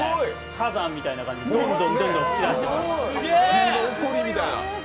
火山みたいな感じでどんどん噴き上げていきます。